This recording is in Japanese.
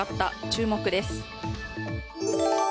注目です。